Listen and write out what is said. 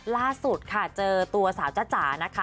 ล่าสุดค่ะเจอตัวสาวจ้าจ๋านะคะ